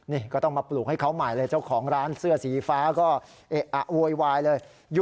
นี่ก็ต้องมาปลูกให้เขาใหม่เลยเจ้าของร้านเสื้อสีฟ้าก็เอ๊ะอะโวยวายเลย